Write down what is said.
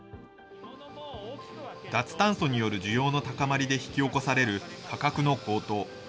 脱炭素による需要の高まりで引き起こされる価格の高騰。